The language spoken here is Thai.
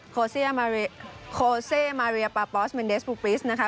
โคเซมาเรียโคเซมาเรียปาปอสเม็นเดสบุ๊คปริสต์นะคะ